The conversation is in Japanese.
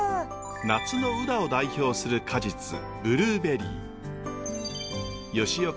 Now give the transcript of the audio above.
夏の宇陀を代表する果実ブルーベリー。